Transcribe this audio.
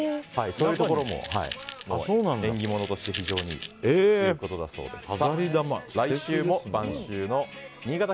そういうところも縁起物として非常にということだそうです。